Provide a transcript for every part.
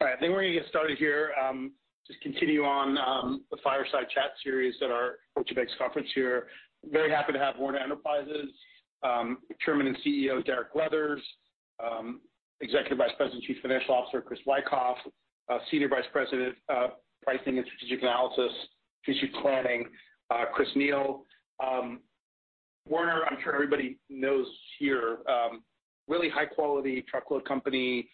All right, we're going to get started here, just continue on the Fireside Chat series at our Deutsche Bank conference here. Very happy to have Werner Enterprises, Chairman and CEO, Derek Leathers, Executive Vice President, Chief Financial Officer, Chris Wikoff, Senior Vice President, Pricing and Strategic Analysis, Future Planning, Chris Neal. Werner, I'm sure everybody knows here, really high-quality truckload company,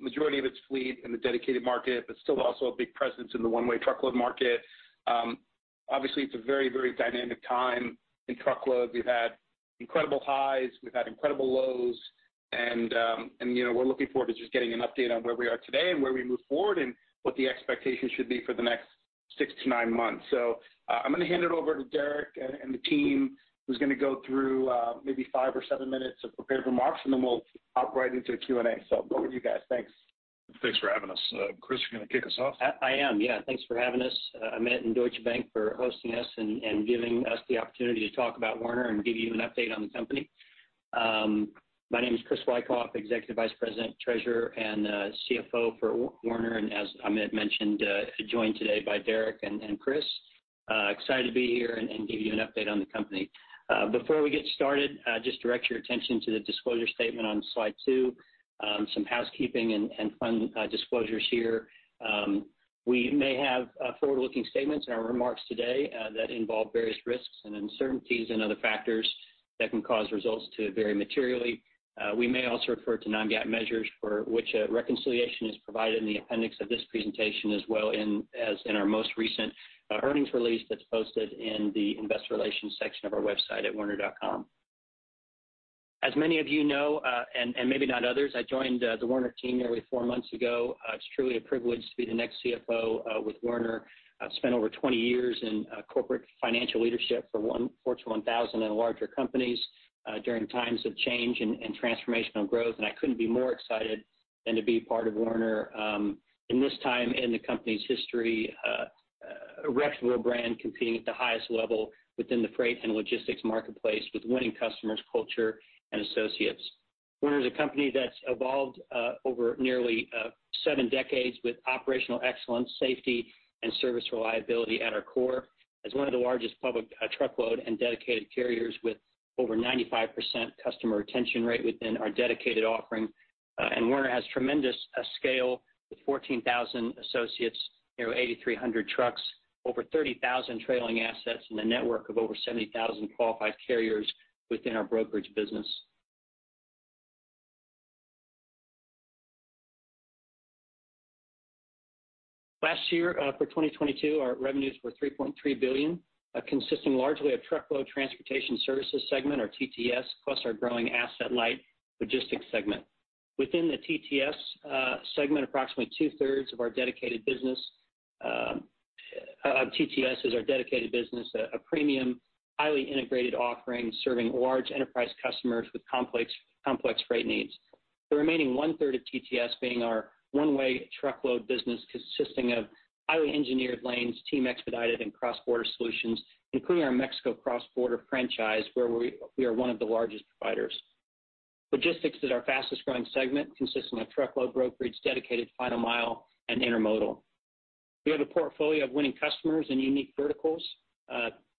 majority of its fleet in the dedicated market, but still also a big presence in the One-Way truckload market. Obviously, it's a very, very dynamic time in truckload. We've had incredible highs, we've had incredible lows, and, you know, we're looking forward to just getting an update on where we are today and where we move forward, and what the expectations should be for the next six to nine months. I'm going to hand it over to Derek and, and the team, who's going to go through, maybe five or seveminutes of prepared remarks, and then we'll hop right into the Q&A. Over to you, guys. Thanks. Thanks for having us. Chris, you're going to kick us off? I, I am, yeah. Thanks for having us, Amit, and Deutsche Bank for hosting us and giving us the opportunity to talk about Werner and give you an update on the company. My name is Chris Wikoff, Executive Vice President, Treasurer, and CFO for Werner, and as Amit mentioned, joined today by Derek and Chris. Excited to be here and give you an update on the company. Before we get started, just direct your attention to the disclosure statement on slide two. Some housekeeping and fund disclosures here. We may have forward-looking statements in our remarks today that involve various risks and uncertainties and other factors that can cause results to vary materially. We may also refer to non-GAAP measures for which a reconciliation is provided in the appendix of this presentation, as well in as in our most recent earnings release that's posted in the investor relations section of our website at werner.com. As many of you know, and maybe not others, I joined the Werner team nearly four months ago. It's truly a privilege to be the next CFO with Werner. I've spent over 20 years in corporate financial leadership for Fortune 1000 and larger companies during times of change and transformational growth, and I couldn't be more excited than to be part of Werner in this time in the company's history. A reputable brand competing at the highest level within the freight and logistics marketplace with winning customers, culture, and associates. Werner is a company that's evolved over nearly seven decades with operational excellence, safety, and service reliability at our core. As one of the largest public truckload and dedicated carriers with over 95% customer retention rate within our dedicated offering. Werner has tremendous scale with 14,000 associates, near 8,300 trucks, over 30,000 trailing assets, and a network of over 70,000 qualified carriers within our brokerage business. Last year, for 2022, our revenues were $3.3 billion, consisting largely of Truckload Transportation Services segment, or TTS, plus our growing asset-light logistics segment. Within the TTS segment, approximately two-thirds of our dedicated business, TTS is our dedicated business, a premium, highly integrated offering, serving large enterprise customers with complex, complex freight needs. The remaining one-third of TTS being our One-Way truckload business, consisting of highly engineered lanes, team expedited and cross-border solutions, including our Mexico cross-border franchise, where we, we are one of the largest providers. Logistics is our fastest-growing segment, consisting of truckload brokerage, dedicated final mile, and Intermodal. We have a portfolio of winning customers and unique verticals.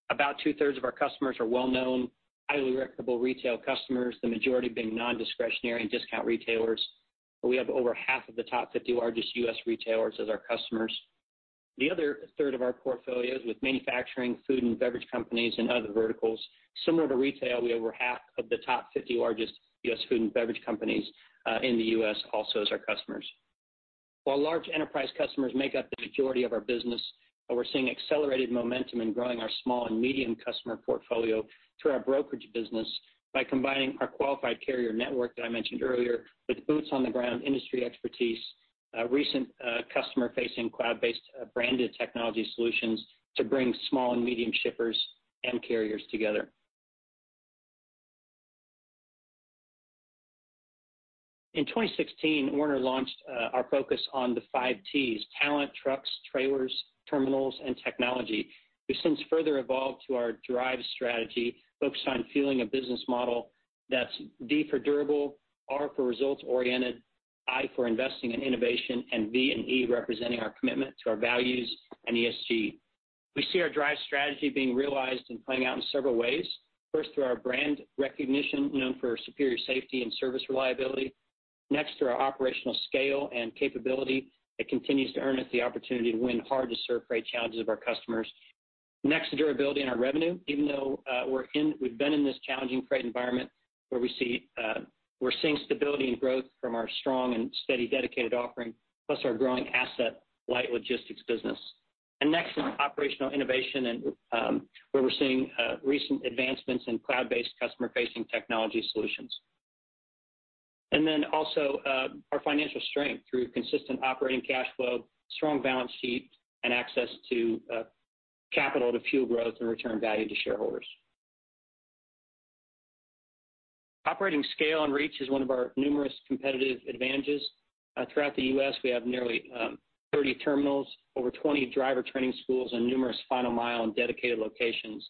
About two-thirds of our customers are well-known, highly reputable retail customers, the majority being non-discretionary and discount retailers. We have over half of the top 50 largest U.S. retailers as our customers. The other third of our portfolio is with manufacturing, food and beverage companies, and other verticals. Similar to retail, we have over half of the top 50 largest U.S. food and beverage companies in the U.S. also as our customers. While large enterprise customers make up the majority of our business, but we're seeing accelerated momentum in growing our small and medium customer portfolio through our brokerage business by combining our qualified carrier network that I mentioned earlier, with boots on the ground industry expertise, recent, customer-facing, cloud-based, branded technology solutions to bring small and medium shippers and carriers together. In 2016, Werner launched our focus on the 5Ts: Talent, Trucks, Trailers, Terminals, and Technology. We've since further evolved to our DRIVE strategy, focused on fueling a business model that's D for durable, R for results-oriented, I for investing in innovation, and V and E representing our commitment to our values and ESG. We see our DRIVE strategy being realized and playing out in several ways. First, through our brand recognition, known for superior safety and service reliability. Through our operational scale and capability that continues to earn us the opportunity to win hard-to-serve freight challenges of our customers. Durability in our revenue, even though we've been in this challenging freight environment, where we see, we're seeing stability and growth from our strong and steady dedicated offering, plus our growing asset-light logistics business. Next is operational innovation and where we're seeing recent advancements in cloud-based, customer-facing technology solutions. Also, our financial strength through consistent operating cash flow, strong balance sheet, and access to capital to fuel growth and return value to shareholders. Operating scale and reach is one of our numerous competitive advantages. Throughout the U.S., we have nearly 30 terminals, over 20 driver training schools, and numerous final mile and dedicated locations.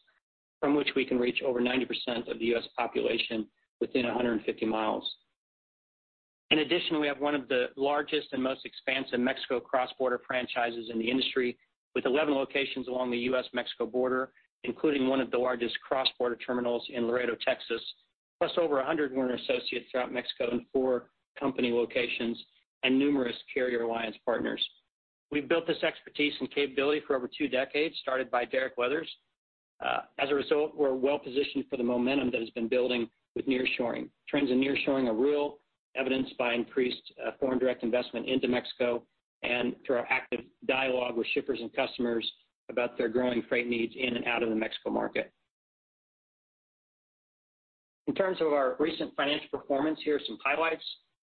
From which we can reach over 90% of the U.S. population within 150 miles. In addition, we have one of the largest and most expansive Mexico cross-border franchises in the industry, with 11 locations along the U.S.-Mexico border, including one of the largest cross-border terminals in Laredo, Texas, plus over 100 Werner associates throughout Mexico and four company locations and numerous carrier alliance partners. We've built this expertise and capability for over two decades, started by Derek Leathers. As a result, we're well positioned for the momentum that has been building with nearshoring. Trends in nearshoring are real, evidenced by increased foreign direct investment into Mexico and through our active dialogue with shippers and customers about their growing freight needs in and out of the Mexico market. In terms of our recent financial performance, here are some highlights.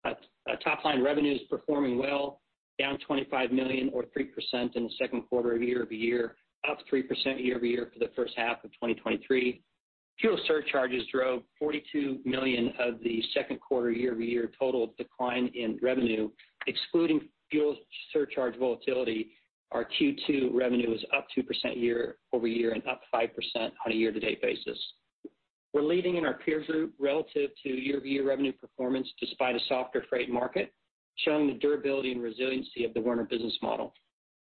Our top line revenue is performing well, down $25 million or 3% in the second quarter of year-over-year, up 3% year-over-year for the first half of 2023. Fuel surcharges drove $42 million of the second quarter year-over-year total decline in revenue. Excluding fuel surcharge volatility, our Q2 revenue was up 2% year-over-year and up 5% on a year-to-date basis. We're leading in our peer group relative to year-over-year revenue performance, despite a softer freight market, showing the durability and resiliency of the Werner business model.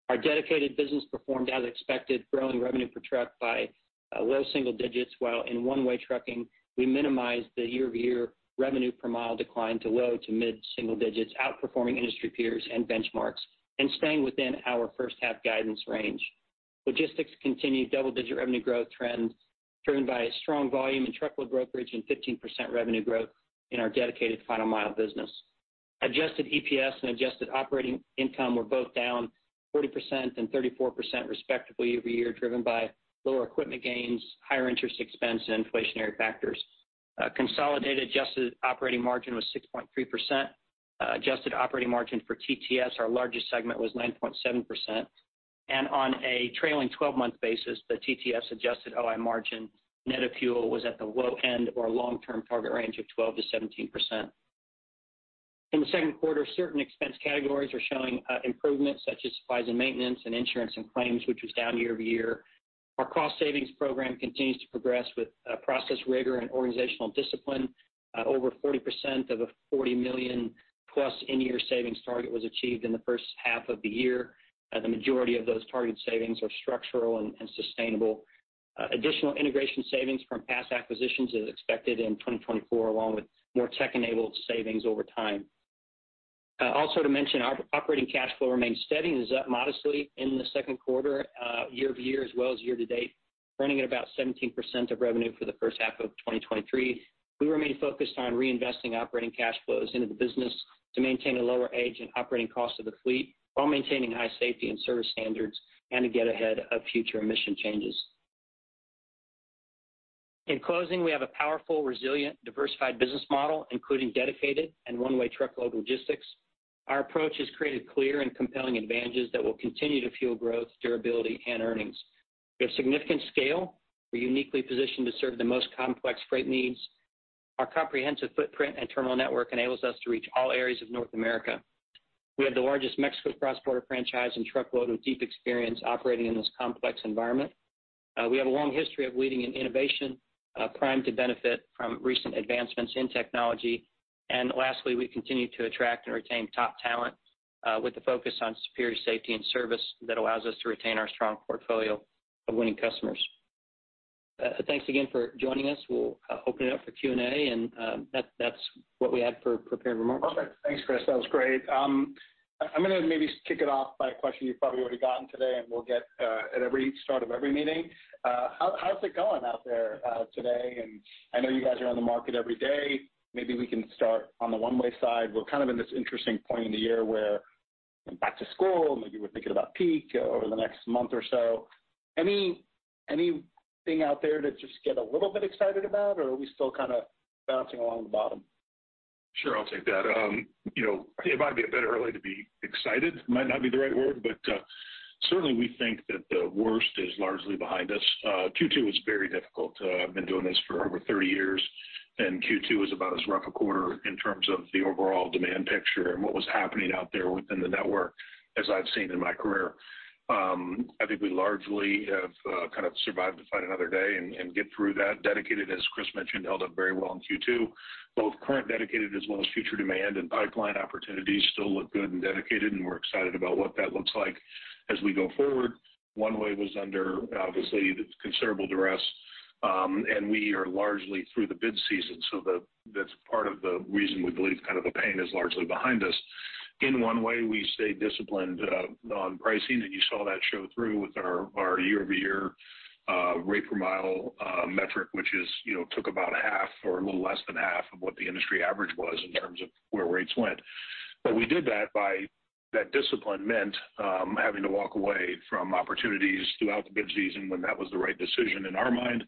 Our dedicated business performed as expected, growing revenue per truck by low single digits, while in One-Way trucking, we minimized the year-over-year revenue per mile decline to low to mid single digits, outperforming industry peers and benchmarks, and staying within our first half guidance range. Logistics continued double-digit revenue growth trends, driven by a strong volume in truckload brokerage and 15% revenue growth in our dedicated final mile business. Adjusted EPS and adjusted operating income were both down 40% and 34% respectively year-over-year, driven by lower equipment gains, higher interest expense, and inflationary factors. Consolidated adjusted operating margin was 6.3%. Adjusted operating margin for TTS, our largest segment, was 9.7%. On a trailing 12-month basis, the TTS adjusted OI margin, net of fuel, was at the low end of our long-term target range of 12%-17%. In the second quarter, certain expense categories are showing improvements such as supplies and maintenance and insurance and claims, which was down year-over-year. Our cost savings program continues to progress with process rigor and organizational discipline. Over 40% of a $40 million+ in-year savings target was achieved in the first half of the year. The majority of those targeted savings are structural and sustainable. Additional integration savings from past acquisitions is expected in 2024, along with more tech-enabled savings over time. Also to mention, our operating cash flow remains steady and is up modestly in the second quarter, year-over-year as well as year-to-date, running at about 17% of revenue for the first half of 2023. We remain focused on reinvesting operating cash flows into the business to maintain a lower age and operating cost of the fleet, while maintaining high safety and service standards, and to get ahead of future emission changes. In closing, we have a powerful, resilient, diversified business model, including dedicated and One-Way Truckload logistics. Our approach has created clear and compelling advantages that will continue to fuel growth, durability, and earnings. We have significant scale. We're uniquely positioned to serve the most complex freight needs. Our comprehensive footprint and terminal network enables us to reach all areas of North America. We have the largest Mexico cross-border franchise and truckload, with deep experience operating in this complex environment. We have a long history of leading in innovation, primed to benefit from recent advancements in technology. And lastly, we continue to attract and retain top talent, with a focus on superior safety and service that allows us to retain our strong portfolio of winning customers. Thanks again for joining us. We'll open it up for Q&A, and that, that's what we had for prepared remarks. Okay, thanks, Chris. That was great. I'm going to maybe kick it off by a question you've probably already gotten today, and we'll get at every start of every meeting. How, how's it going out there today? I know you guys are on the market every day. Maybe we can start on the One-Way side. We're kind of in this interesting point in the year where, back to school, maybe we're thinking about peak over the next month or so. Any, anything out there to just get a little bit excited about, or are we still kind of bouncing along the bottom? Sure, I'll take that. you know, it might be a bit early to be excited. Might not be the right word, but, certainly, we think that the worst is largely behind us. Q2 was very difficult. I've been doing this for over 30 years, and Q2 was about as rough a quarter in terms of the overall demand picture and what was happening out there within the network, as I've seen in my career. I think we largely have, kind of survived to fight another day and, and get through that. Dedicated, as Chris mentioned, held up very well in Q2. Both current dedicated as well as future demand and pipeline opportunities still look good in dedicated, and we're excited about what that looks like as we go forward. One-Way was under, obviously, considerable duress. We are largely through the bid season, so that's part of the reason we believe kind of the pain is largely behind us. In One-Way, we stayed disciplined on pricing, and you saw that show through with our, our year-over-year rate per mile metric, which is, you know, took about 0.5 or a little less than 0.5 of what the industry average was in terms of where rates went. We did that by... That discipline meant having to walk away from opportunities throughout the bid season when that was the right decision in our mind,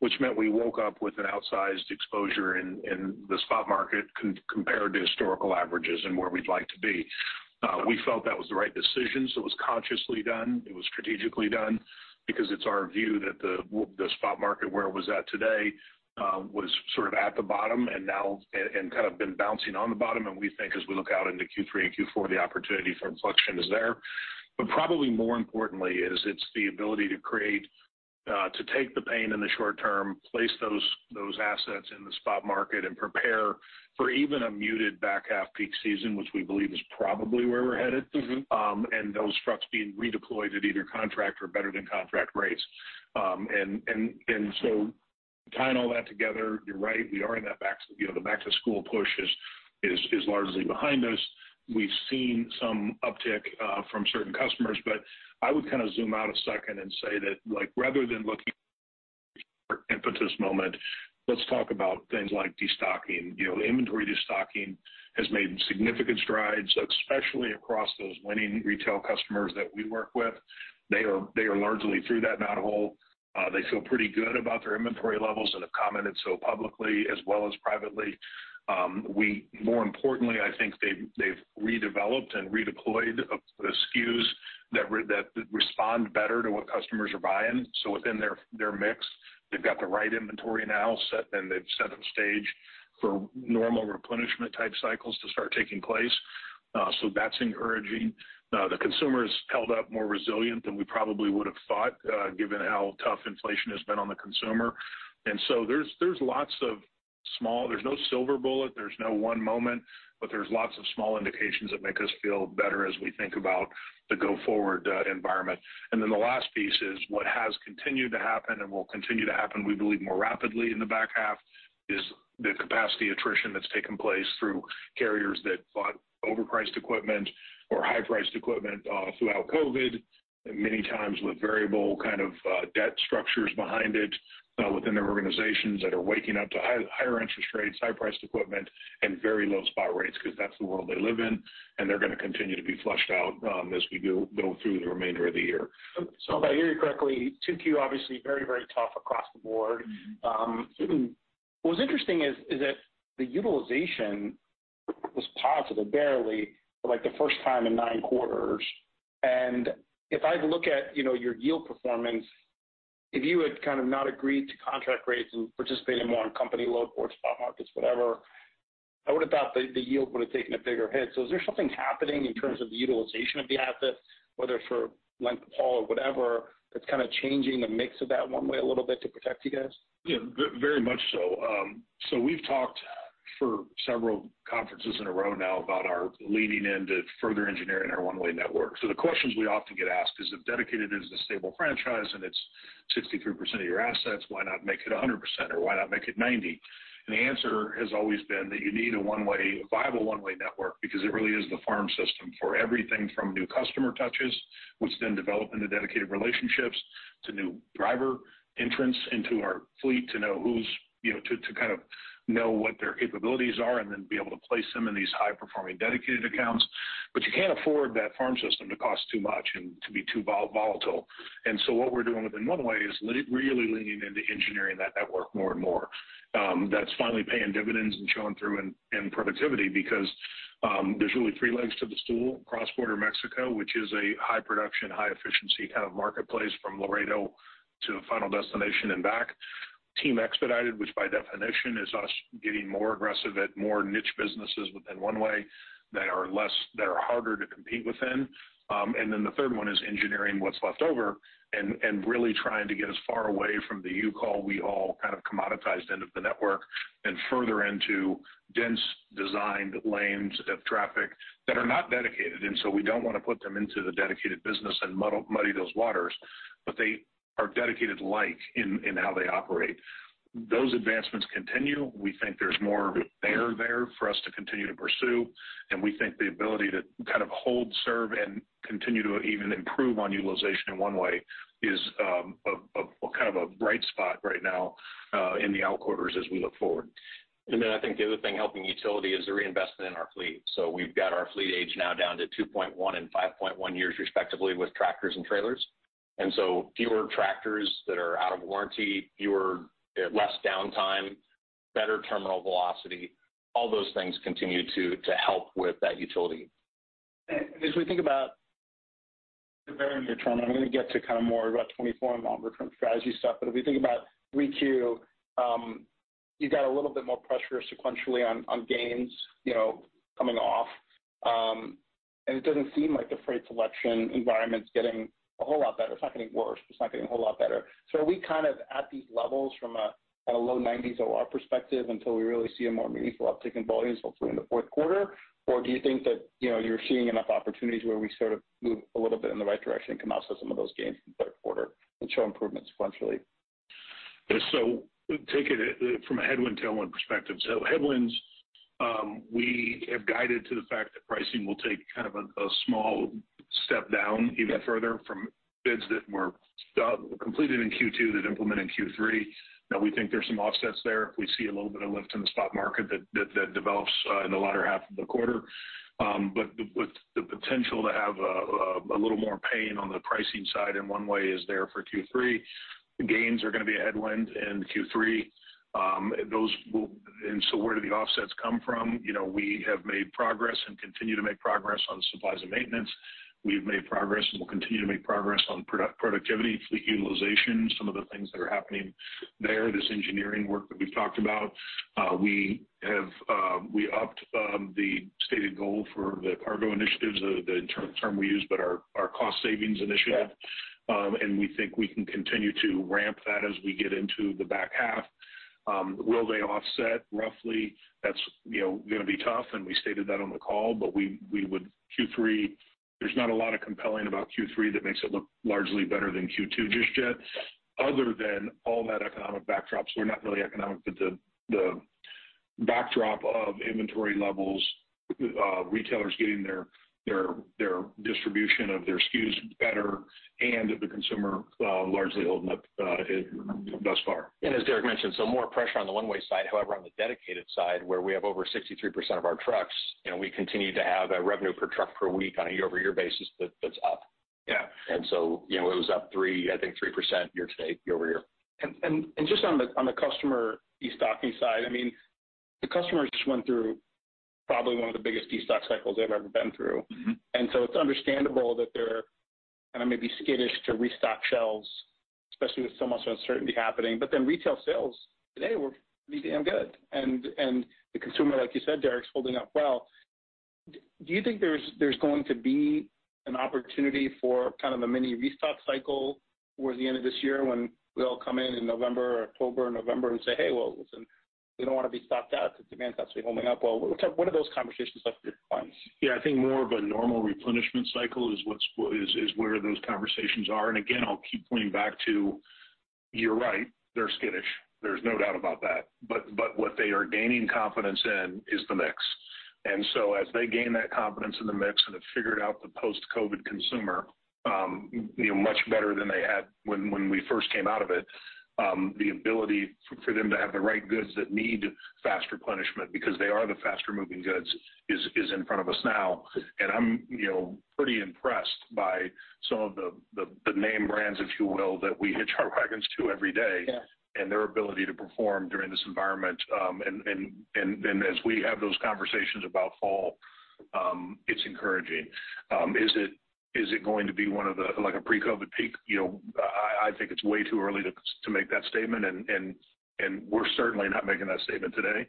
which meant we woke up with an outsized exposure in, in the spot market compared to historical averages and where we'd like to be. We felt that was the right decision, so it was consciously done. It was strategically done because it's our view that the the spot market, where it was at today, was sort of at the bottom and now, and kind of been bouncing on the bottom. We think as we look out into Q3 and Q4, the opportunity for inflection is there. probably more importantly is it's the ability to create, to take the pain in the short term, place those, those assets in the spot market, and prepare for even a muted back half peak season, which we believe is probably where we're headed. And those trucks being redeployed at either contract or better than contract rates. And, and, and so tying all that together, you're right, we are in that back- you know, the back-to-school push is, is, is largely behind us. We've seen some uptick, from certain customers, but I would kind of zoom out a second and say that, like, rather than looking for impetus moment, let's talk about things like destocking. You know, the inventory destocking has made significant strides, especially across those winning retail customers that we work with. They are, they are largely through that pothole. They feel pretty good about their inventory levels and have commented so publicly as well as privately. More importantly, I think they've, they've redeveloped and redeployed of the SKUs that respond better to what customers are buying. Within their, their mix, they've got the right inventory now set, and they've set the stage for normal replenishment type cycles to start taking place. So that's encouraging. The consumer's held up more resilient than we probably would have thought, given how tough inflation has been on the consumer. There's, there's lots of small. There's no silver bullet, there's no one moment, but there's lots of small indications that make us feel better as we think about the go-forward environment. The last piece is what has continued to happen and will continue to happen, we believe, more rapidly in the back half, is the capacity attrition that's taken place through carriers that bought overpriced equipment or high-priced equipment throughout COVID, many times with variable kind of debt structures behind it within their organizations that are waking up to high- higher interest rates, high-priced equipment, and very low spot rates, because that's the world they live in, and they're going to continue to be flushed out as we go through the remainder of the year. If I hear you correctly, 2Q, obviously very, very tough across the board. What's interesting is, is that the utilization was positive, barely, for like the first time in 9 quarters. If I look at, you know, your yield performance, if you had kind of not agreed to contract rates and participated more in company load or spot markets, whatever, I would have thought the, the yield would have taken a bigger hit. Is there something happening in terms of the utilization of the assets, whether it's for length of haul or whatever, that's kind of changing the mix of that One-Way a little bit to protect you guys? Yeah, very much so. We've talked for several conferences in a row now about our leaning into further engineering our One-Way network. The questions we often get asked is, if dedicated is a stable franchise and it's 63% of your assets, why not make it 100%? Why not make it 90%? The answer has always been that you need a One-Way, a viable One-Way network, because it really is the farm system for everything from new customer touches, which then develop into dedicated relationships, to new driver entrants into our fleet, to know who's, you know, to kind of know what their capabilities are and then be able to place them in these high-performing dedicated accounts. You can't afford that farm system to cost too much and to be too volatile. What we're doing within One-Way is really leaning into engineering that network more and more. That's finally paying dividends and showing through in, in productivity because there's really three legs to the stool. Cross-border Mexico, which is a high production, high efficiency kind of marketplace from Laredo to a final destination and back. Team expedited, which by definition is us getting more aggressive at more niche businesses within One-Way that are harder to compete within. The third one is engineering what's left over and really trying to get as far away from the you call, we haul, kind of commoditized end of the network and further into dense, designed lanes of traffic that are not dedicated. We don't want to put them into the dedicated business and muddy those waters, but they are dedicated-like in how they operate. Those advancements continue. We think there's more air there for us to continue to pursue, and we think the ability to kind of hold, serve, and continue to even improve on utilization in One-Way is kind of a bright spot right now in the outquarters as we look forward. I think the other thing helping utility is the reinvestment in our fleet. We've got our fleet age now down to 2.1 and 5.1 years, respectively, with tractors and trailers. Fewer tractors that are out of warranty, fewer, less downtime, better terminal velocity, all those things continue to, to help with that utility. As we think about the very near term, I'm going to get to kind of more about 2024 and longer-term strategy stuff, but if we think about 3Q, you've got a little bit more pressure sequentially on, on gains, you know, coming off. It doesn't seem like the freight selection environment's getting a whole lot better. It's not getting worse, it's not getting a whole lot better. Are we kind of at these levels from a, at a low 90s OR perspective until we really see a more meaningful uptick in volumes, hopefully in the 4th quarter? Do you think that, you know, you're seeing enough opportunities where we sort of move a little bit in the right direction and come out to some of those gains in the 3rd quarter and show improvement sequentially? Take it from a headwind, tailwind perspective. Headwinds, we have guided to the fact that pricing will take kind of a, a small step down even further from bids that were completed in Q2, that implement in Q3. We think there's some offsets there. We see a little bit of lift in the spot market that, that, that develops in the latter half of the quarter. The, with the potential to have a, a little more pain on the pricing side in One-Way is there for Q3. Gains are going to be a headwind in Q3. Those will... Where do the offsets come from? You know, we have made progress and continue to make progress on supplies and maintenance. We've made progress, and we'll continue to make progress on product- productivity, fleet utilization, some of the things that are happening there, this engineering work that we've talked about. We have, we upped a goal for the CARGO initiatives, the, the inter- term we use, but our, our cost savings initiative. We think we can continue to ramp that as we get into the back half. Will they offset roughly? That's, you know, gonna be tough, and we stated that on the call, but we, we would Q3- there's not a lot of compelling about Q3 that makes it look largely better than Q2 just yet, other than all that economic backdrop. We're not really economic, but the, the backdrop of inventory levels, retailers getting their, their, their distribution of their SKUs better, and the consumer, largely holding up, thus far. As Derek mentioned, more pressure on the One-Way side. However, on the dedicated side, where we have over 63% of our trucks, you know, we continue to have a revenue per truck per week on a year-over-year basis that, that's up. Yeah. You know, it was up three, I think 3% year to date, year-over-year. And, and just on the, on the customer destocking side, I mean, the customers just went through probably one of the biggest destock cycles they've ever been through. Mm-hmm. So it's understandable that they're kind of maybe skittish to restock shelves, especially with so much uncertainty happening. Then retail sales today were pretty damn good. The consumer, like you said, Derek, is holding up well. Do you think there's, there's going to be an opportunity for kind of a mini restock cycle towards the end of this year when we all come in in November or October, November and say, "Hey, well, listen, we don't want to be stocked out because demand's actually holding up well?" What are those conversations like with your clients? Yeah, I think more of a normal replenishment cycle is where those conversations are. Again, I'll keep pointing back to, you're right, they're skittish. There's no doubt about that. But what they are gaining confidence in is the mix. So as they gain that confidence in the mix and have figured out the post-COVID consumer, you know, much better than they had when, when we first came out of it, the ability for them to have the right goods that need fast replenishment because they are the faster moving goods, is in front of us now. I'm, you know, pretty impressed by some of the, the, the name brands, if you will, that we hitch our wagons to every day. Yeah... and their ability to perform during this environment. and, and, and, as we have those conversations about fall, it's encouraging. Is it, is it going to be one of the, like, a pre-COVID peak? You know, I, I think it's way too early to, to make that statement, and, and, and we're certainly not making that statement today.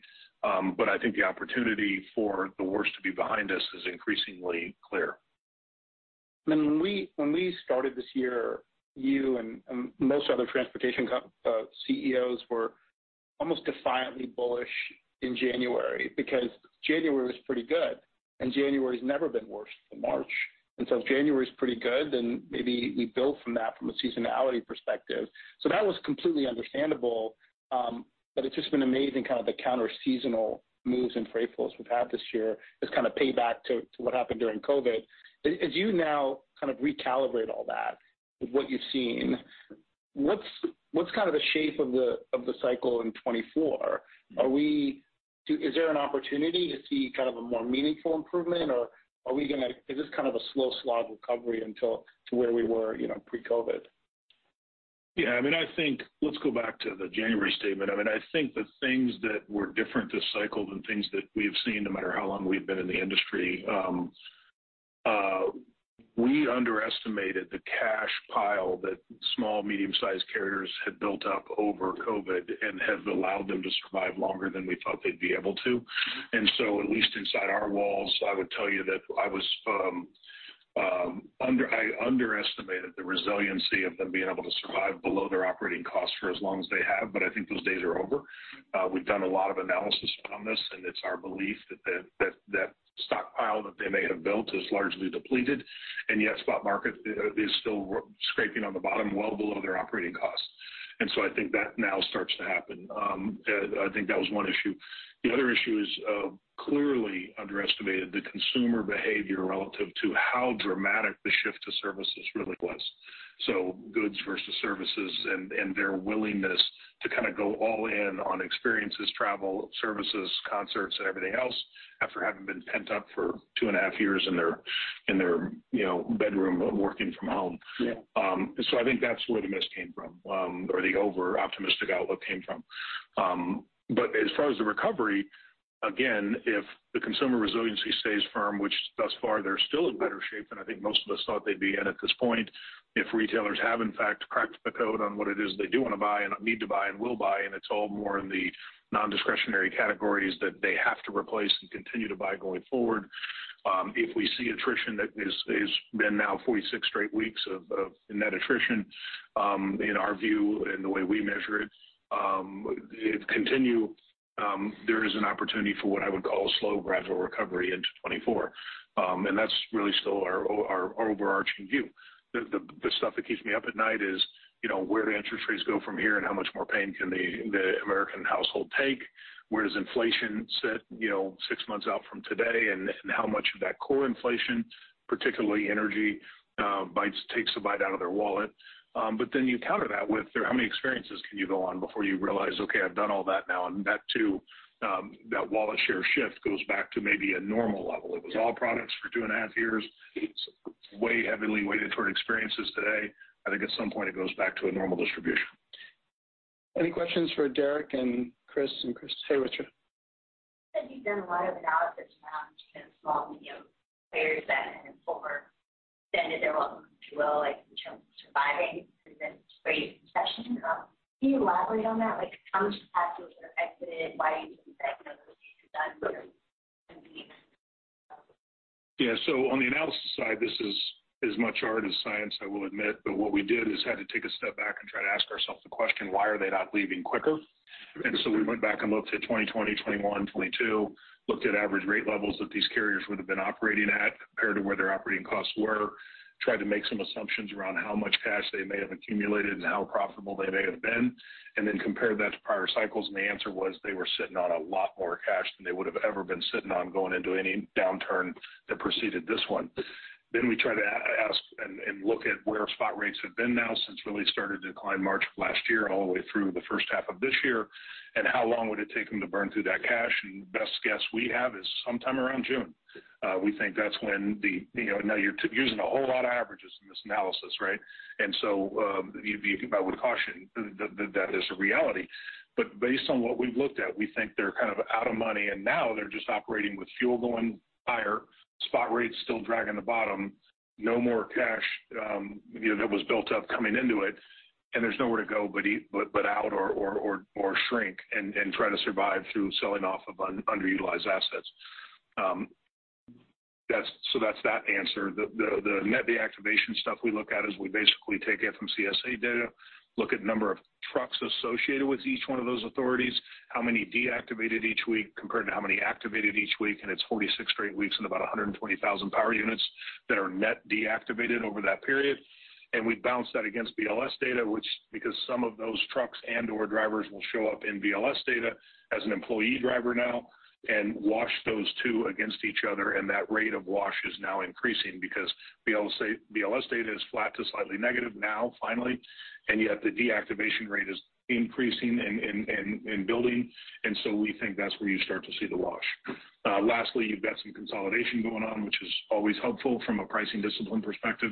I think the opportunity for the worst to be behind us is increasingly clear. When we, when we started this year, you and, and most other transportation comp CEOs were almost defiantly bullish in January, because January was pretty good, and January's never been worse than March. If January is pretty good, then maybe we build from that from a seasonality perspective. That was completely understandable, but it's just been amazing, kind of the counter seasonal moves in freight flows we've had this year. It's kind of payback to, to what happened during COVID. As you now kind of recalibrate all that, what you've seen, what's, what's kind of the shape of the, of the cycle in 24? Is there an opportunity to see kind of a more meaningful improvement, or are we is this kind of a slow slog recovery until to where we were pre-COVID? Yeah, I mean, I think let's go back to the January statement. I mean, I think the things that were different this cycle than things that we've seen, no matter how long we've been in the industry, we underestimated the cash pile that small, medium-sized carriers had built up over COVID and have allowed them to survive longer than we thought they'd be able to. At least inside our walls, I would tell you that I was, I underestimated the resiliency of them being able to survive below their operating costs for as long as they have, but I think those days are over. We've done a lot of analysis on this, and it's our belief that the, that that stockpile that they may have built is largely depleted, and yet spot market is, is still scraping on the bottom, well below their operating costs. I think that now starts to happen. I think that was one issue. The other issue is, clearly underestimated the consumer behavior relative to how dramatic the shift to services really was. goods versus services and, and their willingness to kind of go all in on experiences, travel, services, concerts, and everything else after having been pent up for two and a half years in their, in their, you know, bedroom, working from home. Yeah. I think that's where the miss came from, or the overoptimistic outlook came from. As far as the recovery, again, if the consumer resiliency stays firm, which thus far, they're still in better shape than I think most of us thought they'd be. At this point, if retailers have, in fact, cracked the code on what it is they do want to buy and need to buy and will buy, and it's all more in the nondiscretionary categories that they have to replace and continue to buy going forward, if we see attrition, that is it's been now 46 straight weeks of, of net attrition, in our view and the way we measure it, it continue, there is an opportunity for what I would call a slow, gradual recovery into 2024. That's really still our overarching view. The stuff that keeps me up at night is, you know, where the interest rates go from here and how much more pain can the American household take? Where does inflation sit, you know, six months out from today? How much of that core inflation, particularly energy, takes a bite out of their wallet? Then you counter that with how many experiences can you go on before you realize, "Okay, I've done all that now," and that, too, that wallet share shift goes back to maybe a normal level. Yeah. It was all products for two and a half years. It's way heavily weighted toward experiences today. I think at some point it goes back to a normal distribution. Any questions for Derek and Chris and Chris? Have you done a lot of analysis around small, medium players that are overextended, if you will, in terms of surviving?... great session. Can you elaborate on that? Like, how much capacity was affected, and why you think that? Yeah. On the analysis side, this is as much art as science, I will admit. What we did is had to take a step back and try to ask ourselves the question, why are they not leaving quicker? We went back and looked at 2020, 2021, 2022, looked at average rate levels that these carriers would have been operating at compared to where their operating costs were. Tried to make some assumptions around how much cash they may have accumulated and how profitable they may have been, and then compared that to prior cycles. The answer was, they were sitting on a lot more cash than they would have ever been sitting on going into any downturn that preceded this one. We tried to ask and look at where spot rates have been now since really started to decline March of last year and all the way through the first half of this year, and how long would it take them to burn through that cash. Best guess we have is sometime around June. We think that's when the, you know... Now, you're using a whole lot of averages in this analysis, right? So, you, you buy with caution. That is a reality. Based on what we've looked at, we think they're kind of out of money, and now they're just operating with fuel going higher, spot rates still dragging the bottom. No more cash, you know, that was built up coming into it, and there's nowhere to go but e- but, but out or, or, or, or shrink and, and try to survive through selling off of un- underutilized assets. That's, that's that answer. The, the, the net deactivation stuff we look at is we basically take FMCSA data, look at number of trucks associated with each one of those authorities, how many deactivated each week compared to how many activated each week, and it's 46 straight weeks and about 120,000 power units that are net deactivated over that period. We bounce that against BLS data, which because some of those trucks and/or drivers will show up in BLS data as an employee driver now, and wash those two against each other, and that rate of wash is now increasing because BLS, BLS data is flat to slightly negative now, finally, and yet the deactivation rate is increasing and building. We think that's where you start to see the wash. Lastly, you've got some consolidation going on, which is always helpful from a pricing discipline perspective,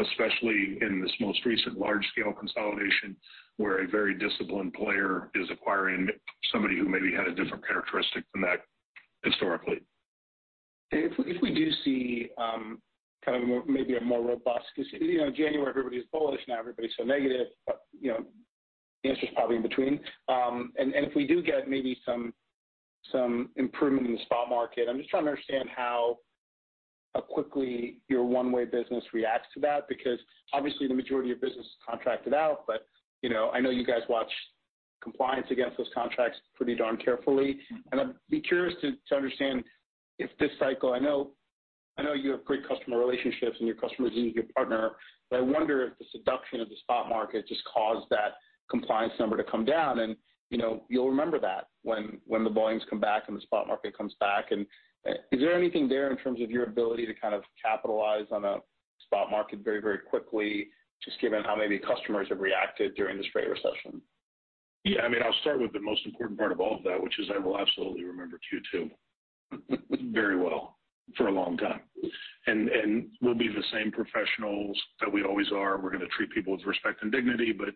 especially in this most recent large-scale consolidation, where a very disciplined player is acquiring somebody who maybe had a different characteristic than that historically. If, if we do see, kind of more, maybe a more robust, because, you know, in January, everybody's bullish, now everybody's so negative. You know, the answer is probably in between. If we do get maybe some, some improvement in the spot market, I'm just trying to understand how, how quickly your One-Way business reacts to that, because obviously the majority of business is contracted out, but, you know, I know you guys watch compliance against those contracts pretty darn carefully. I'd be curious to, to understand if this cycle... I know, I know you have great customer relationships, and your customers need your partner, but I wonder if the seduction of the spot market just caused that compliance number to come down. You know, you'll remember that when, when the volumes come back and the spot market comes back. Is there anything there in terms of your ability to kind of capitalize on a spot market very, very quickly, just given how maybe customers have reacted during this freight recession? Yeah. I mean, I'll start with the most important part of all of that, which is I will absolutely remember Q2 very well for a long time. We'll be the same professionals that we always are. We're going to treat people with respect and dignity, but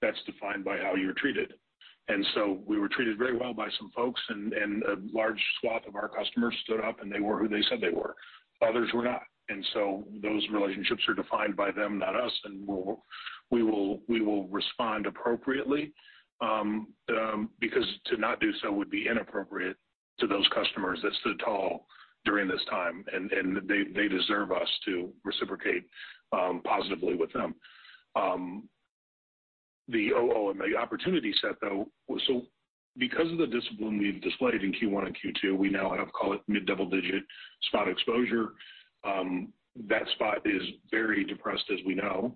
that's defined by how you're treated. We were treated very well by some folks, and, and a large swath of our customers stood up, and they were who they said they were. Others were not. Those relationships are defined by them, not us, and we'll, we will, we will respond appropriately. Because to not do so would be inappropriate to those customers that stood tall during this time, and, and they, they deserve us to reciprocate positively with them. The [OOM, the opportunity set, though, so because of the discipline we've displayed in Q1 and Q2, we now have, call it, mid-double-digit spot exposure. That spot is very depressed, as we know.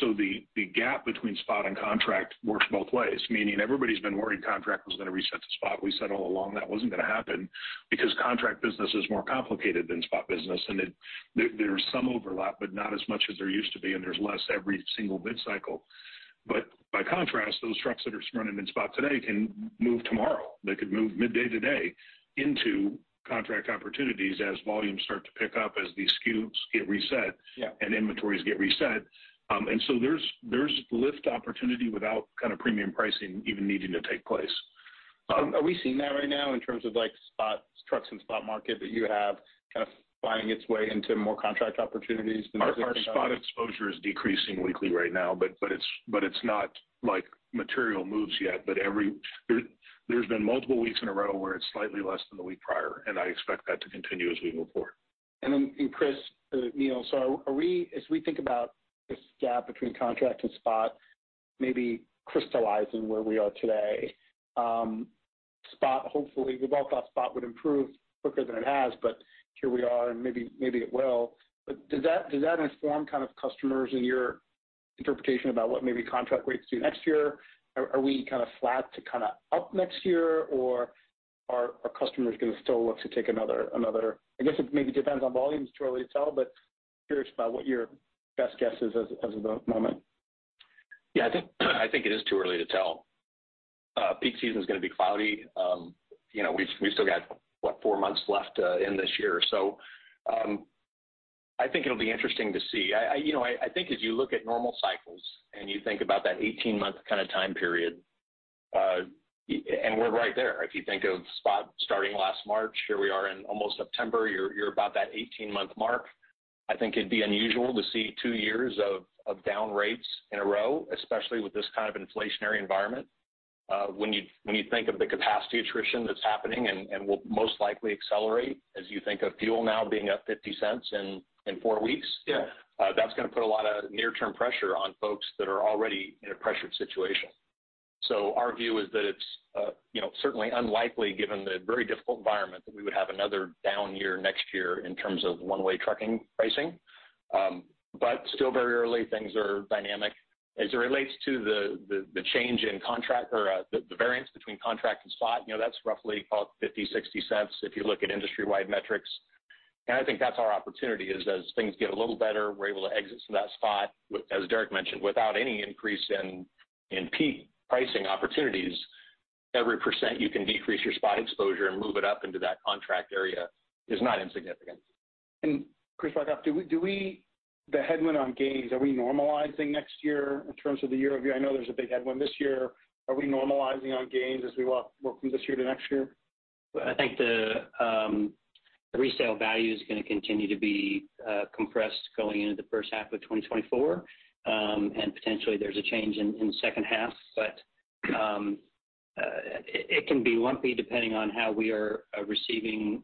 So the, the gap between spot and contract works both ways, meaning everybody's been worried contract was going to reset the spot. We said all along that wasn't going to happen because contract business is more complicated than spot business, and it, there, there's some overlap, but not as much as there used to be, and there's less every single mid-cycle. By contrast, those trucks that are running in spot today can move tomorrow. They could move midday today into contract opportunities as volumes start to pick up, as these SKUs get reset. Yeah. Inventories get reset. There's, there's lift opportunity without kind of premium pricing even needing to take place. Are we seeing that right now in terms of, like, spot trucks and spot market that you have finding its way into more contract opportunities? Our spot exposure is decreasing weekly right now, but it's not like material moves yet. There's been multiple weeks in a row where it's slightly less than the week prior, and I expect that to continue as we move forward. Chris Neal, as we think about this gap between contract and spot, maybe crystallizing where we are today, spot, hopefully, we all thought spot would improve quicker than it has, here we are, and maybe, maybe it will. Does that, does that inform kind of customers in your interpretation about what maybe contract rates do next year? Are we kind of flat to kind of up next year, or are our customers going to still look to take another? I guess it maybe depends on volumes. It's too early to tell, but curious about what your best guess is as of the moment. Yeah, I think it is too early to tell. Peak season is going to be cloudy. You know, we've, we've still got, what, four months left, in this year. I think it'll be interesting to see. I, I, you know, I, I think as you look at normal cycles and you think about that 18-month kind of time period...... We're right there. If you think of spot starting last March, here we are in almost September, you're, you're about that 18-month mark. I think it'd be unusual to see two years of, of down rates in a row, especially with this kind of inflationary environment. When you, when you think of the capacity attrition that's happening and, and will most likely accelerate as you think of fuel now beng up $0.50 in, in 4 weeks. Yeah. that's gonna put a lot of near-term pressure on folks that are already in a pressured situation. Our view is that it's, you know, certainly unlikely, given the very difficult environment, that we would have another down year next year in terms of One-Way trucking pricing. Still very early, things are dynamic. As it relates to the, the, the change in contract or, the, the variance between contract and spot, you know, that's roughly about $0.50-$0.60 if you look at industry-wide metrics. I think that's our opportunity, is as things get a little better, we're able to exit to that spot, as Derek mentioned, without any increase in, in peak pricing opportunities. Every percent you can decrease your spot exposure and move it up into that contract area is not insignificant. Chris Wikoff, the headwind on gains, are we normalizing next year in terms of the year-over-year? I know there's a big headwind this year. Are we normalizing on gains as we walk from this year to next year? I think the, the resale value is gonna continue to be compressed going into the first half of 2024. Potentially, there's a change in, in the second half. It, it can be lumpy, depending on how we are receiving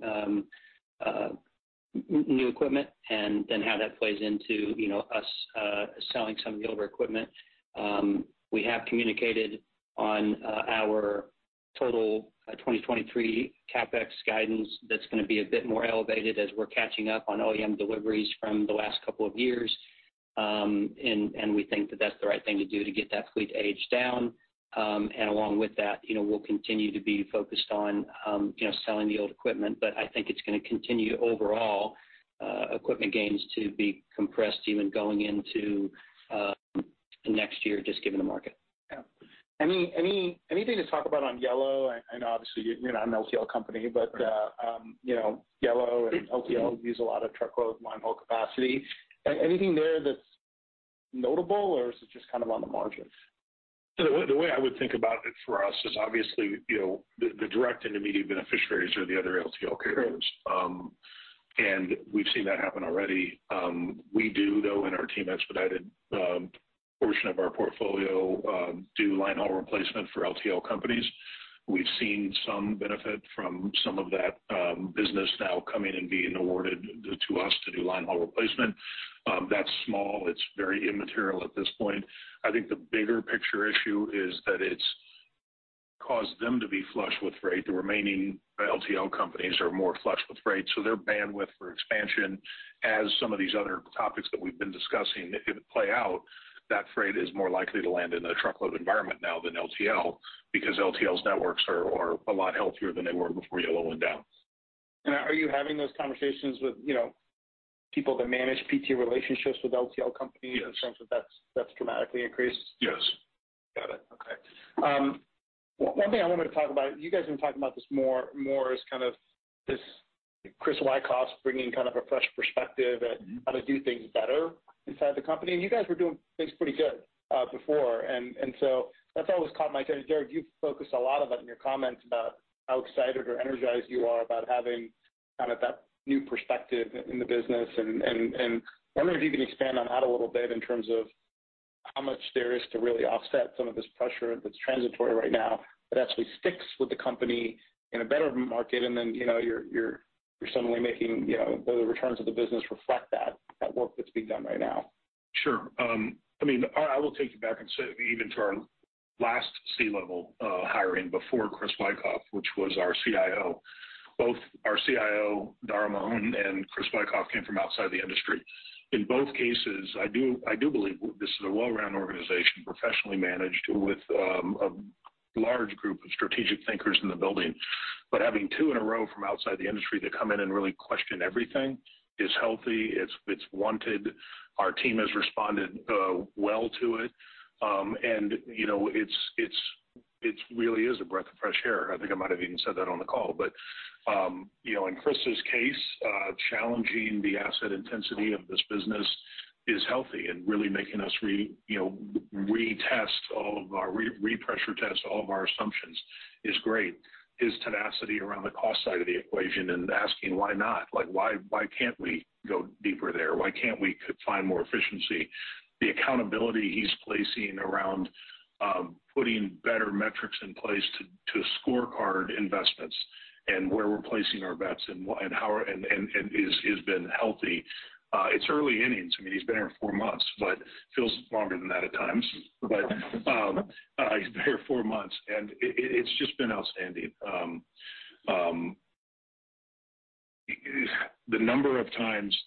new equipment and then how that plays into, you know, us selling some of the older equipment. We have communicated on our total 2023 CapEx guidance that's gonna be a bit more elevated as we're catching up on OEM deliveries from the last couple of years. We think that that's the right thing to do to get that fleet age down. Along with that, you know, we'll continue to be focused on, you know, selling the old equipment. I think it's gonna continue overall, equipment gains to be compressed even going into, next year, just given the market. Yeah. Any, any, anything to talk about on Yellow? I know, obviously, you're not an LTL company, but, you know, Yellow and LTL use a lot of truckload line-haul capacity. Anything there that's notable, or is it just kind of on the margins? The way, the way I would think about it for us is, obviously, you know, the, the direct and immediate beneficiaries are the other LTL carriers. Sure. We've seen that happen already. We do, though, in our team expedited portion of our portfolio, do line-haul replacement for LTL companies. We've seen some benefit from some of that business now coming and being awarded to us to do line-haul replacement. That's small. It's very immaterial at this point. I think the bigger picture issue is that it's caused them to be flush with freight. The remaining LTL companies are more flush with freight, their bandwidth for expansion, as some of these other topics that we've been discussing, if it play out, that freight is more likely to land in a truckload environment now than LTL, because LTL's networks are a lot healthier than they were before Yellow went down. Are you having those conversations with, you know, people that manage PT relationships with LTL companies? Yes. in terms of that's, that's dramatically increased? Yes. Got it. Okay. One thing I wanted to talk about, you guys have been talking about this more, more as kind of this Chris Wikoff bringing kind of a fresh perspective. Mm-hmm how to do things better inside the company, and you guys were doing things pretty good, before. That's always caught my attention. Derek, you've focused a lot of it in your comments about how excited or energized you are about having kind of that new perspective in the business. Wondering if you can expand on that a little bit in terms of how much there is to really offset some of this pressure that's transitory right now, but actually sticks with the company in a better market, and then, you know, you're, you're, you're suddenly making, you know, the returns of the business reflect that, that work that's being done right now. Sure. I mean, I, I will take you back and say even to our last C-level hiring before Chris Wikoff, which was our CIO. Both our CIO Daragh Mahon and Chris Wikoff, came from outside the industry. In both cases, I do, I do believe this is a well-rounded organization, professionally managed, with a large group of strategic thinkers in the building. But having two in a row from outside the industry to come in and really question everything is healthy, it's, it's wanted. Our team has responded well to it. And, you know, it really is a breath of fresh air. I think I might have even said that on the call. You know, in Chris's case, challenging the asset intensity of this business is healthy and really making us you know, repressure test all of our assumptions is great. His tenacity around the cost side of the equation and asking: Why not? Why can't we go deeper there? Why can't we find more efficiency? The accountability he's placing around putting better metrics in place to scorecard investments and where we're placing our bets and how, and is been healthy. It's early innings. I mean, he's been here four months, but feels longer than that at times. He's been here four months, and it's just been outstanding. The number of times...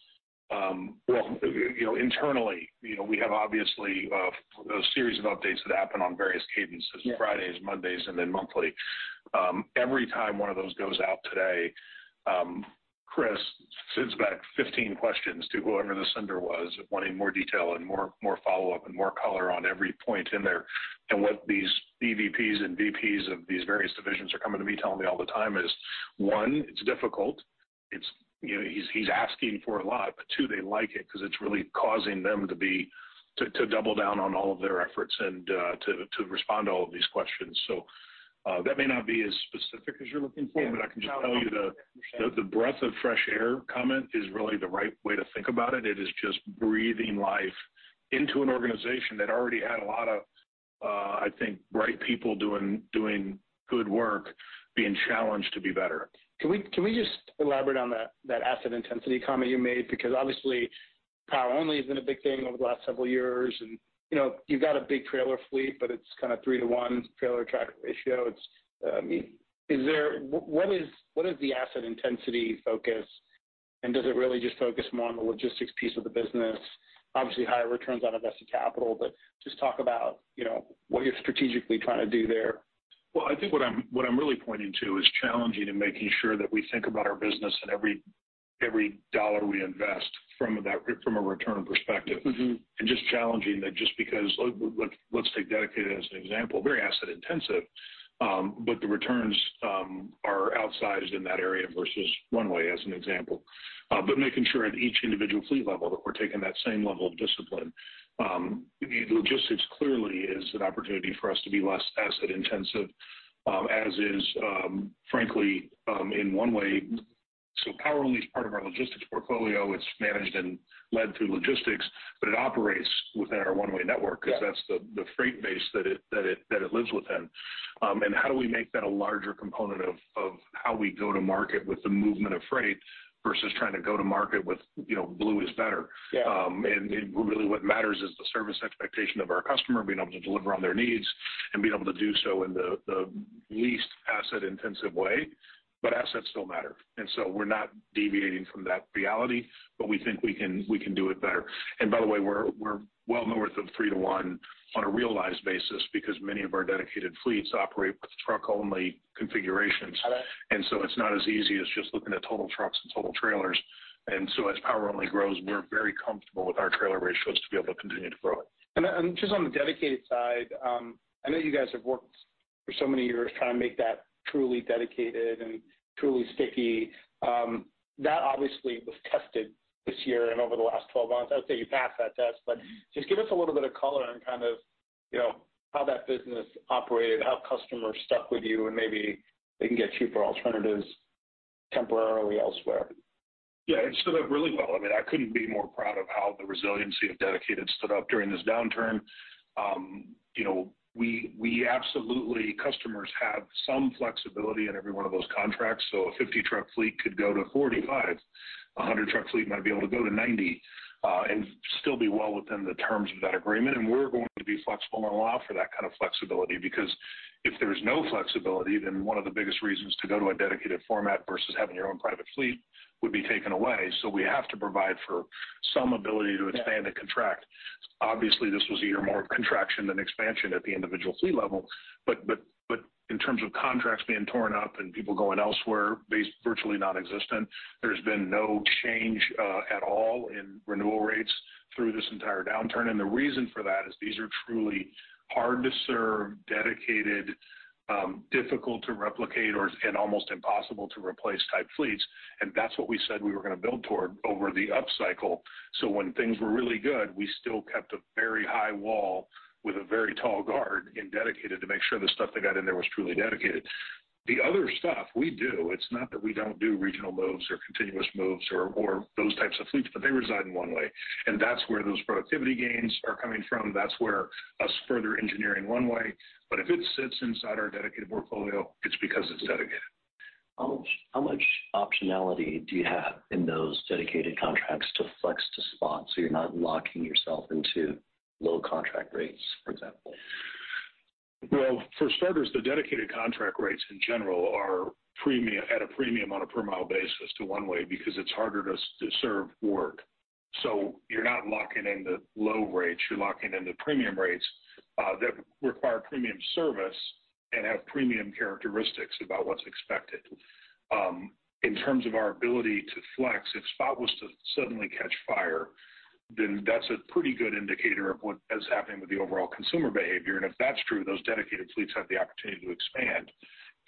Well, you know, internally, you know, we have obviously, a series of updates that happen on various cadences- Yeah Fridays, Mondays, and then monthly. Every time one of those goes out today, Chris sends back 15 questions to whoever the sender was, wanting more detail and more, more follow-up and more color on every point in there. What these EVPs and VPs, these various divisions are coming to me telling me all the time is: 1, it's difficult. It's, you know, he's, he's asking for a lot. 2, they like it because it's really causing them to double down on all of their efforts and to respond to all of these questions. That may not be as specific as you're looking for, but I can just tell you the, the breath of fresh air comment is really the right way to think about it. It is just breathing life into an organization that already had a lot of, I think, bright people doing, doing good work, being challenged to be better. Can we, can we just elaborate on that, that asset intensity comment you made? Obviously, Power Only has been a big thing over the last several years, and, you know, you've got a big trailer fleet, but it's kind of three to one trailer tractor ratio. It's, I mean, What is, what is the asset intensity focus, and does it really just focus more on the logistics piece of the business? Obviously, higher returns on invested capital, just talk about, you know, what you're strategically trying to do there. I think what I'm really pointing to is challenging and making sure that we think about our business and every dollar we invest from that, from a return perspective. Mm-hmm. Just challenging that just because. Let's take dedicated as an example, very asset intensive, but the returns are outsized in that area versus One-Way, as an example. But making sure at each individual fleet level that we're taking that same level of discipline. The logistics clearly is an opportunity for us to be less asset intensive, as is, frankly, in One-Way. Power Only is part of our logistics portfolio. It's managed and led through logistics, but it operates within our One-Way network. Yeah. because that's the, the freight base that it, that it, that it lives within. How do we make that a larger component of, of how we go to market with the movement of freight versus trying to go to market with, you know, blue is better? Yeah. Really, what matters is the service expectation of our customer, being able to deliver on their needs, and being able to do so in the, the least asset-intensive way, but assets still matter. We're not deviating from that reality, but we think we can, we can do it better. By the way, we're well north of three to one on a realized basis because many of our dedicated fleets operate with truck-only configurations. Got it. It's not as easy as just looking at total trucks and total trailers. As Power Only grows, we're very comfortable with our trailer ratios to be able to continue to grow it. Just on the dedicated side, I know you guys have worked for so many years trying to make that truly dedicated and truly sticky. That obviously was tested this year and over the last 12 months. I would say you passed that test, just give us a little bit of color on kind of, you know, how that business operated, how customers stuck with you, and maybe they can get cheaper alternatives temporarily elsewhere. Yeah, it stood up really well. I mean, I couldn't be more proud of how the resiliency of dedicated stood up during this downturn. You know, we, we absolutely, customers have some flexibility in every one of those contracts, so a 50-truck fleet could go to 45. A 100-truck fleet might be able to go to 90, and still be well within the terms of that agreement. We're going to be flexible and allow for that kind of flexibility, because if there's no flexibility, then one of the biggest reasons to go to a dedicated format versus having your own private fleet would be taken away. So we have to provide for some ability to expand and contract. Obviously, this was a year more of contraction than expansion at the individual fleet level, but, but, but in terms of contracts being torn up and people going elsewhere, basically, virtually nonexistent. There's been no change at all in renewal rates through this entire downturn. The reason for that is these are truly hard to serve, dedicated, difficult to replicate or, and almost impossible to replace type fleets, and that's what we said we were going to build toward over the upcycle. When things were really good, we still kept a very high wall with a very tall guard in dedicated to make sure the stuff that got in there was truly dedicated. The other stuff we do, it's not that we don't do regional moves or continuous moves or, or those types of fleets, but they reside in One-Way. That's where those productivity gains are coming from. That's where us further engineering One-Way, but if it sits inside our dedicated portfolio. it's because it's dedicated. How much, how much optionality do you have in those dedicated contracts to flex to spot so you're not locking yourself into low contract rates, for example? Well, for starters, the dedicated contract rates in general are premium, at a premium on a per mile basis to One-Way because it's harder to serve work. You're not locking in the low rates, you're locking in the premium rates that require premium service and have premium characteristics about what's expected. In terms of our ability to flex, if spot was to suddenly catch fire, that's a pretty good indicator of what is happening with the overall consumer behavior. If that's true, those dedicated fleets have the opportunity to expand.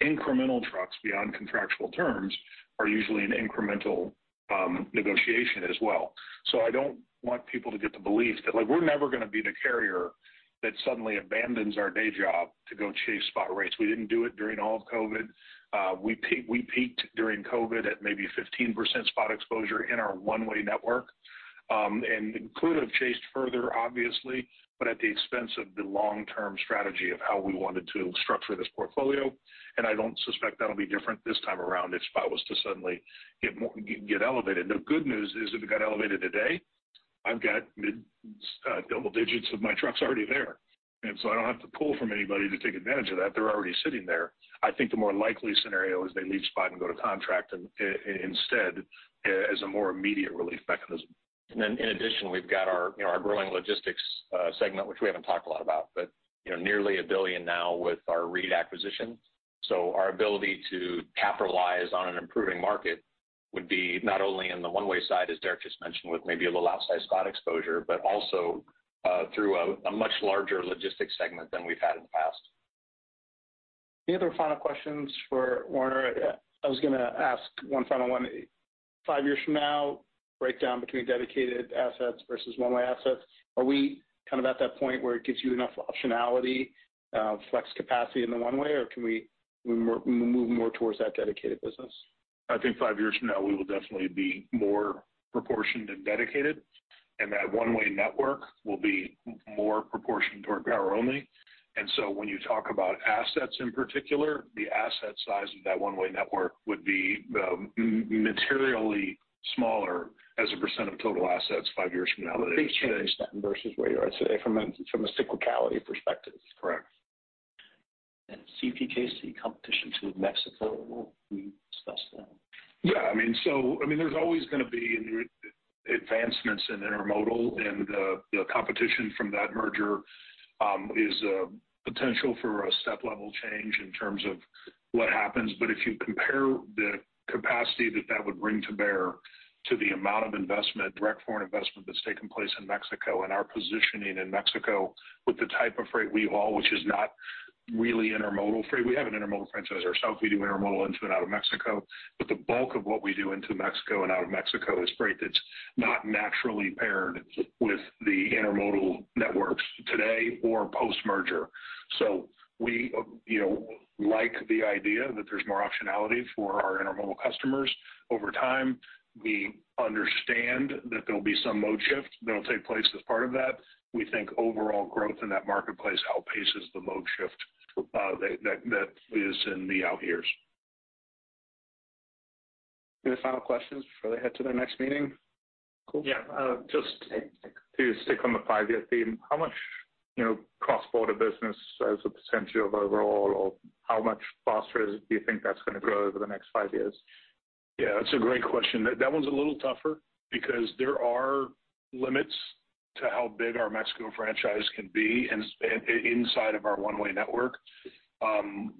Incremental trucks beyond contractual terms are usually an incremental negotiation as well. I don't want people to get the belief that, like, we're never going to be the carrier that suddenly abandons our day job to go chase spot rates. We didn't do it during all of COVID. We peaked during COVID at maybe 15% spot exposure in our One-Way network. Could have chased further, obviously, but at the expense of the long-term strategy of how we wanted to structure this portfolio, and I don't suspect that'll be different this time around if spot was to suddenly get elevated. The good news is, if it got elevated today, I've got mid double digits of my trucks already there. So I don't have to pull from anybody to take advantage of that. They're already sitting there. I think the more likely scenario is they leave spot and go to contract instead, as a more immediate relief mechanism. In addition, we've got our, you know, our growing logistics segment, which we haven't talked a lot about, but, you know, nearly $1 billion now with our Reed acquisition. Our ability to capitalize on an improving market.... would be not only in the One-Way side, as Derek just mentioned, with maybe a little outsized spot exposure, but also, through a much larger logistics segment than we've had in the past. Any other final questions for Werner? I was gonna ask one final one. Five years from now, breakdown between dedicated assets versus One-Way assets, are we kind of at that point where it gives you enough optionality, flex capacity in the One-Way, or can we, we move more towards that dedicated business? I think five years from now, we will definitely be more proportioned and dedicated, and that One-Way network will be more proportioned toward Power Only. So when you talk about assets in particular, the asset size of that One-Way network would be materially smaller as a percent of total assets five years from now than today. A big change then, versus where you are today from a, from a cyclicality perspective. Correct. CPKC competition to Mexico, will we discuss that? Yeah, there's always gonna be advancements in intermodal. The competition from that merger is a potential for a step-level change in terms of what happens. If you compare the capacity that that would bring to bear to the amount of investment, direct foreign investment that's taken place in Mexico, and our positioning in Mexico with the type of freight we haul, which is not really intermodal freight. We have an intermodal franchise ourselves. We do intermodal into and out of Mexico. The bulk of what we do into Mexico and out of Mexico is freight that's not naturally paired with the intermodal networks today or post-merger. We, you know, like the idea that there's more optionality for our intermodal customers over time. We understand that there'll be some mode shift that'll take place as part of that. We think overall growth in that marketplace outpaces the mode shift, that, that, that is in the out years. Any final questions before they head to their next meeting? Cool. Yeah, just to stick on the five-year theme, how much, you know, cross-border business as a percentage of overall, or how much faster do you think that's gonna grow over the next five years? Yeah, that's a great question. That one's a little tougher because there are limits to how big our Mexico franchise can be in, inside of our One-Way network.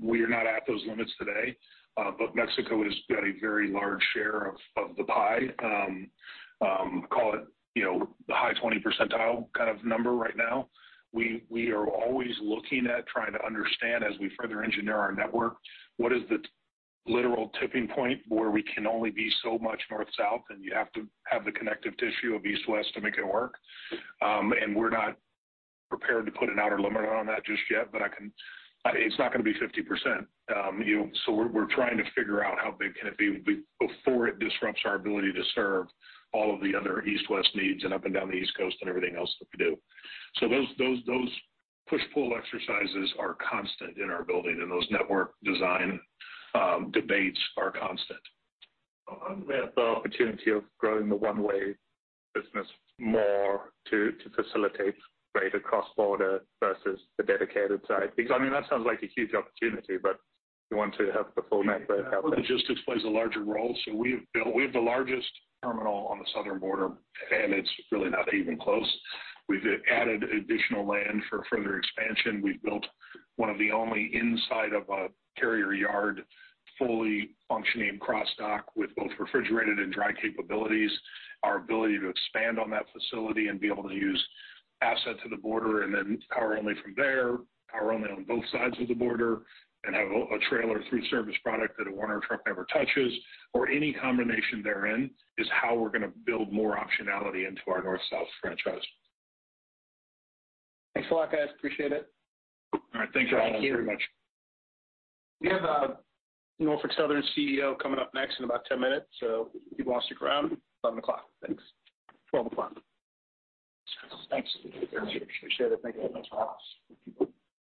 We are not at those limits today, but Mexico has got a very large share of, of the pie. Call it, you know, the high 20% kind of number right now. We, we are always looking at trying to understand, as we further engineer our network, what is the literal tipping point where we can only be so much north, south, and you have to have the connective tissue of east, west to make it work? We're not prepared to put an outer limit on that just yet, but it's not gonna be 50%. You know, so we're, we're trying to figure out how big can it be before it disrupts our ability to serve all of the other east, west needs and up and down the East Coast and everything else that we do. Those, those, those push-pull exercises are constant in our building, and those network design, debates are constant. With the opportunity of growing the One-Way business more to, to facilitate greater cross-border versus the dedicated side. I mean, that sounds like a huge opportunity, but you want to have the full network out there. Logistics plays a larger role. We have the largest terminal on the southern border, and it's really not even close. We've added additional land for further expansion. We've built one of the only inside of a carrier yard, fully functioning cross-dock with both refrigerated and dry capabilities. Our ability to expand on that facility and be able to use assets to the border and then Power Only from there, Power Only on both sides of the border, and have a trailer through service product that a Werner truck never touches or any combination therein, is how we're gonna build more optionality into our north-south franchise. Thanks a lot, guys. Appreciate it. All right. Thank you very much. Thank you. We have Norfolk Southern CEO coming up next in about 10 minutes, so if you want to stick around, 11:00 A.M. Thanks. 12:00 P.M. Thanks. Appreciate it. Thank you.